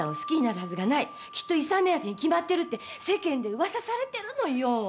きっと遺産目当てに決まってるって世間で噂されてるのよ。